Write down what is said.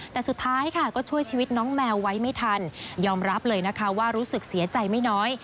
แต่สุดท้ายค่ะก็ช่วยชีวิตน้องแมวไว้ไม่ทันยอมรับเลยนะคะว่ารู้สึกเสียใจไม่น้อย